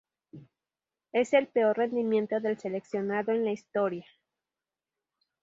Es el peor rendimiento del seleccionado en la historia.